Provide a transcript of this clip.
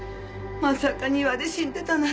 まさか庭で死んでたなんて。